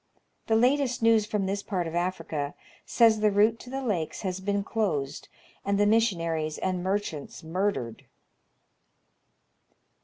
The latest news from this part of Africa says the route to the lakes has been closed, and fhe missionaries and merchants murdered.